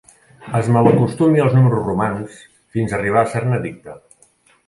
Es malacostumi als números romans fins arribar a ser-ne addicte.